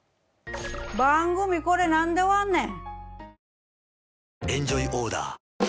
番組これなんで終わんねん？